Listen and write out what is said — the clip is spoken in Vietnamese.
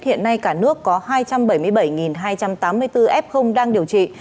hiện nay cả nước có hai trăm bảy mươi bảy hai trăm tám mươi bốn f đang điều trị